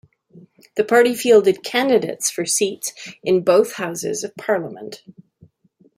The party fielded candidates for seats in both houses of Parliament.